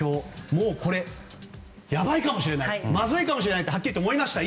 もう、やばいかもしれないまずいかもしれないってはっきり言って思いました